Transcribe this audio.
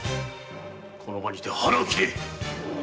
この場にて腹を切れ！